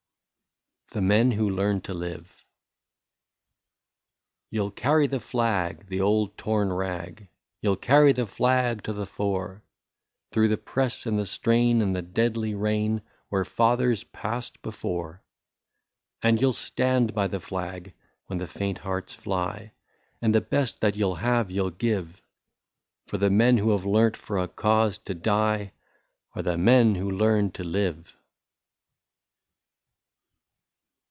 127 THE MEN WHO LEARN TO LIVE. You 'll carry the flag — the old torn rag — You '11 carry the flag to the fore, Through the press and the strain and the deadly rain, Where the fathers passed before. And you *11 stand by the flag, when the faint hearts fly, And the best that you have you '11 give ; For the men who have learnt for a cause to die, Are the nien who learn to live